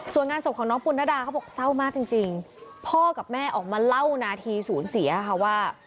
ส่วนงานศพของน้องปุณดาเขาบอกเศร้ามากจริงพ่อกับแม่ออกมาเล่านาทีศูนย์เสียค่ะว่า